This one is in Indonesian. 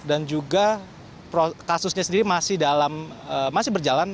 dan juga kasusnya sendiri masih berjalan